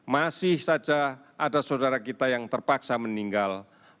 masih saja ada saudara kita yang terpaksa meninggal